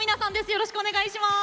よろしくお願いします。